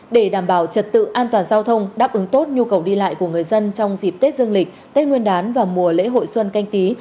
để đảm bảo trật tự an toàn giao thông đáp ứng tốt nhu cầu đi lại của người dân trong dịp tết dương lịch tết nguyên đán và mùa lễ hội xuân canh tí